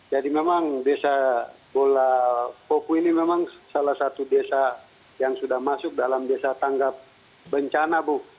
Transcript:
jadi memang desa bola poku ini memang salah satu desa yang sudah masuk dalam desa tanggap bencana bu